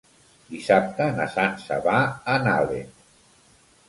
Dissabte na Sança va a Nalec.